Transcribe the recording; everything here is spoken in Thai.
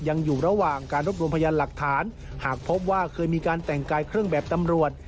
ยังอยู่ระหว่างการรวบรวมพยานหลักฐานหากพบว่าเคยมีการแต่งกายเครื่องแบบตำรวจ